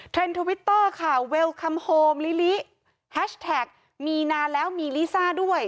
ทวิตเตอร์ค่ะเวลคำโฮมลิลิแฮชแท็กมีนานแล้วมีลิซ่าด้วย